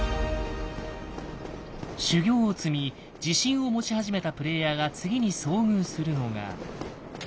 修行を積み自信を持ち始めたプレイヤーが次に遭遇するのが。